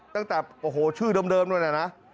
ตั้งแต่โอ้โหชื่อเดิมด้วยนะ